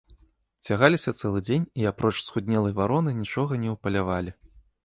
Цягаліся цэлы дзень і, апроч схуднелай вароны, нічога не ўпалявалі.